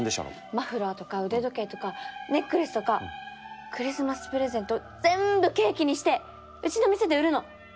マフラーとか腕時計とかネックレスとかクリスマスプレゼント全部ケーキにしてうちの店で売るの！